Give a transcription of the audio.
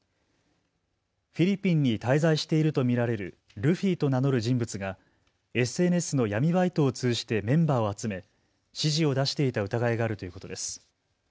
フィリピンに滞在していると見られるルフィと名乗る人物がＳＮＳの闇バイトを通じてメンバーを集め指示を出していた疑いがあるということです。